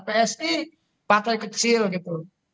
psi partai kecil gitu